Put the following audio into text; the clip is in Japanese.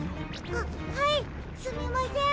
あっはいすみません。